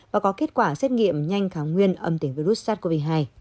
và có kết quả xét nghiệm nhanh kháng nguyên âm tỉnh virus sars cov hai